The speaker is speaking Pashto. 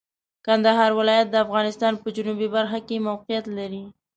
کندهار ولایت د افغانستان په جنوبي برخه کې موقعیت لري.